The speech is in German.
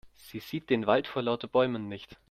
Sie sieht den Wald vor lauter Bäumen nicht.